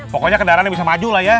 pokoknya kendaraan yang bisa maju lah ya